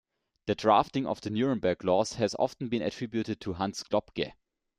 The drafting of the Nuremberg Laws has often been attributed to Hans Globke.